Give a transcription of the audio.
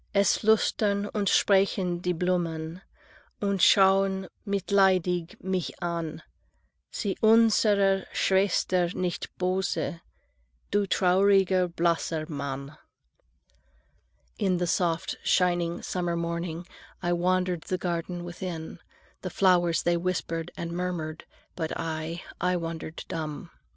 "Es flüstern und sprechen die Blumen Und schau'n mitleidig mich an: 'Sei unserer Schwester nicht böse, Du trauriger, blasser Mann!'" (In the soft shining summer morning I wandered the garden within. The flowers they whispered and murmured, But I, I wandered dumb.